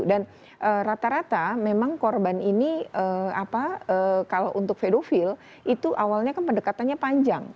dan rata rata memang korban ini kalau untuk fedofil itu awalnya kan pendekatannya panjang